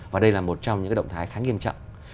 và đây là một trong những động thái khá nghiêm trọng